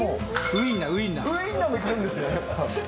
ウインナーもいくんですね。